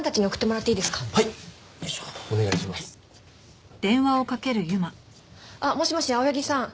もしもし青柳さん